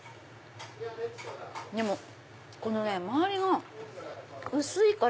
でも周りが薄いから。